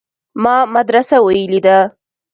ما مدرسه ويلې ده.